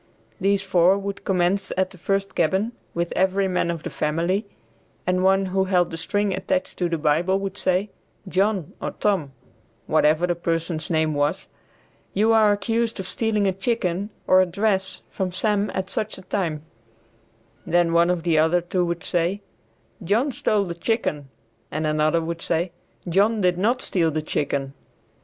These four would commence at the first cabin with every man of the family, and one who held the string attached to the Bible would say, "John or Tom," whatever the person's name was, "you are accused of stealing a chicken or a dress from Sam at such a time," then one of the other two would say, "John stole the chicken," and another would say, "John did not steal the chicken."